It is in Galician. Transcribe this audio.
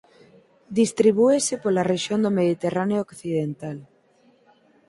Distribúese pola rexión do Mediterráneo occidental.